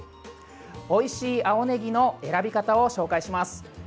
おいしい青ねぎの選び方を紹介します。